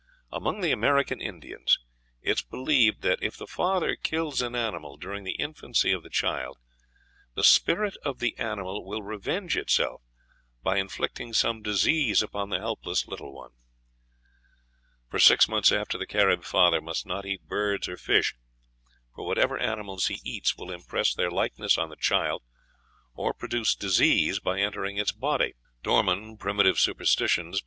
Among the American Indians it is believed that, if the father kills an animal during the infancy of the child, the spirit of the animal will revenge itself by inflicting some disease upon the helpless little one. "For six months the Carib father must not eat birds or fish, for what ever animals he eats will impress their likeness on the child, or produce disease by entering its body." (Dorman, "Prim. Superst.," p.